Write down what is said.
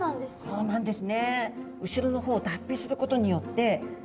そうなんです。